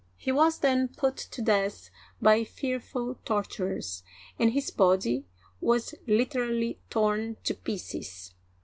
He was then put to death by fearful tortures, and his body was literally torn to pieces.